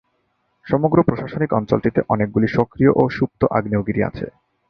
সমগ্র প্রশাসনিক অঞ্চলটিতে অনেকগুলি সক্রিয় ও সুপ্ত আগ্নেয়গিরি আছে।